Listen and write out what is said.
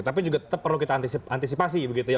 tapi juga tetap perlu kita antisipasi begitu ya